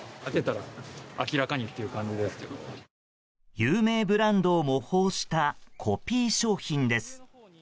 有名ブランドを模倣したコピー商品です。